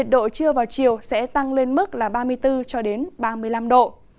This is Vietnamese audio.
độ trưa vào chiều sẽ tăng lên mức ba mươi bốn ba mươi năm độ